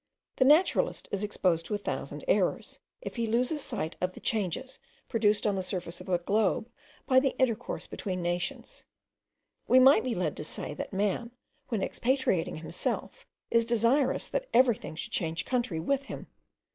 The naturalist is exposed to a thousand errors, if he lose sight of the changes, produced on the surface of the globe by the intercourse between nations. We might be led to say, that man, when expatriating himself; is desirous that everything should change country with him.